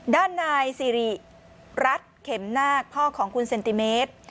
ด้านนายสิริรัฐเข็มนาคพ่อของคุณเซนติเมตร